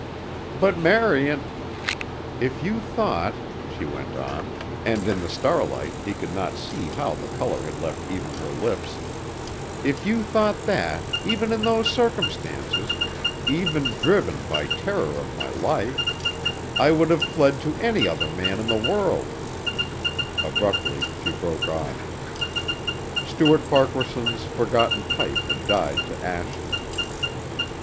"But, Marian !" "If you thought," she went on, and in the starlight, he could not see how the color had left even her lips, "if you thought that even in those circumstances even driven by terror of my life I would have fled to any other man in the world " Abruptly she broke off. Stuart Farquaharson's forgotten pipe had died to ashes.